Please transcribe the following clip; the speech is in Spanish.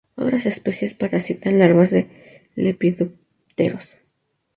Otras especies parasitan larvas de lepidópteros.